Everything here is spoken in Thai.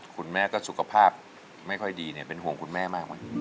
คุณแม่ก็สุขภาพไม่ค่อยดีเนี่ยเป็นห่วงคุณแม่มากกว่านี้